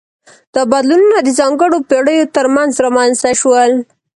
دا بدلونونه د ځانګړو پیړیو ترمنځ رامنځته شول.